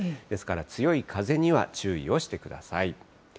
ですから強い風には注意をしてください。